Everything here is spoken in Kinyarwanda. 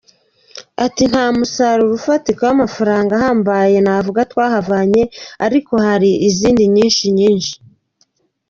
Ati “Nta musaruro ufatika w’amafaranga ahambaye navuga twavanyemo, ariko hari izindi nyinshi nyinshi.